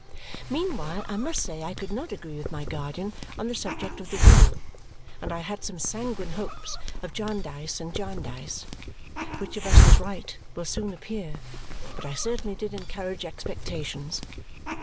Meanwhile, I must say, I could not agree with my guardian on the subject of the will, and I had some sanguine hopes of Jarndyce and Jarndyce. Which of us was right will soon appear, but I certainly did encourage expectations.